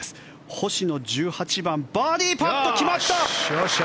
星野、１８番バーディーパット決まった！